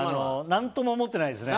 何とも思ってないですね。